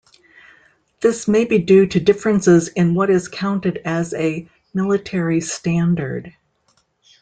This may be due to differences in what is counted as a "military standard".